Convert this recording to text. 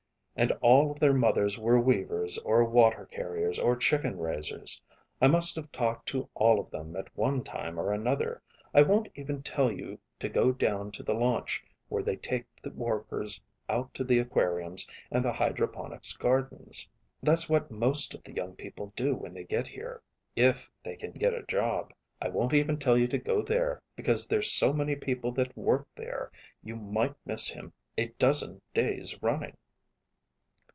And all of their mothers were weavers or water carriers, or chicken raisers. I must have talked to all of them at one time or another. I won't even tell you to go down to the launch where they take the workers out to the aquariums and the hydroponic's gardens. That's what most of the young people do when they get here ... if they can get a job. I won't even tell you to go there, because there're so many people that work there, you might miss him a dozen days running."